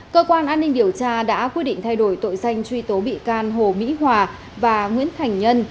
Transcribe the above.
cơ quan an ninh điều tra đã quyết định thay đổi tội danh truy tố bị can hồ mỹ hòa và nguyễn thành nhân